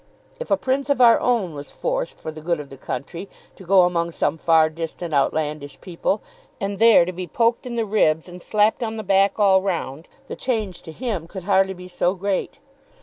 If a prince of our own was forced, for the good of the country, to go among some far distant outlandish people, and there to be poked in the ribs, and slapped on the back all round, the change to him could hardly be so great.